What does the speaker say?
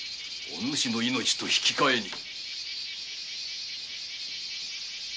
お主の命と引き換えに。